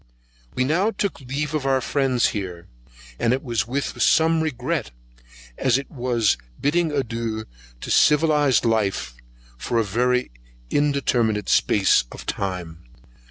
We now took leave of our friends here, and it was with some regret, as it was bidding adieu to civilized life, for a very undetermined space of time.